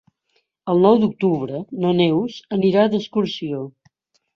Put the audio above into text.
El nou d'octubre na Neus anirà d'excursió.